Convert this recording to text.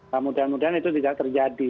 nah mudah mudahan itu tidak terjadi